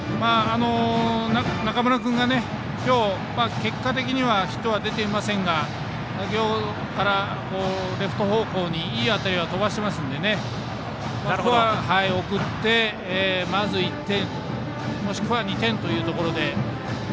中村君が今日、結果的にはヒットは出ていませんが先ほどからレフト方向にいい当たりを飛ばしていますのでここは送って、まず１点もしくは２点というところで。